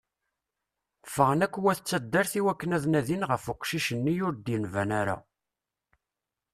Ffɣen akk wat taddart i wakken ad nadin ɣef uqcic-nni ur d-nban ara.